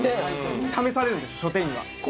試されるんです書店員は。